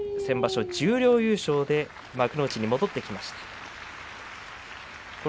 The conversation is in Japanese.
先場所、十両優勝で幕内に戻ってきました。